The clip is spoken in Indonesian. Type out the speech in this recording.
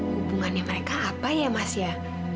hubungannya mereka apa ya mas ya